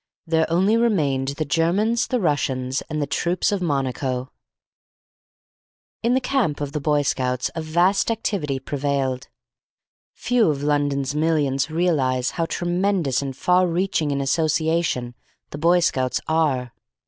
There only remained the Germans, the Russians, and the troops of Monaco. In the camp of the Boy Scouts a vast activity prevailed. Few of London's millions realise how tremendous and far reaching an association the Boy Scouts are.